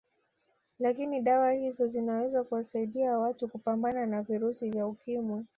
Lakini dawa hizo zinaweza kuwasaidia watu kupambana na virusi vya Ukimwi